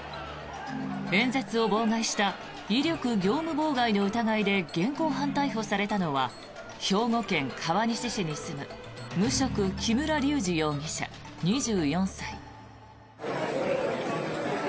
演説を妨害した威力業務妨害の疑いで現行犯逮捕されたのは兵庫県川西市に住む無職・木村隆二容疑、２４歳。